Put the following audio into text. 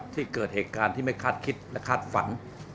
ที่เกิดเหตุการณ์ที่ไม่คาดคิดและคาดฝัน